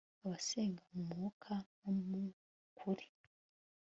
abasenga mu mwuka no mu kuri